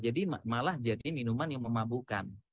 jadi malah jadi minuman yang memabukan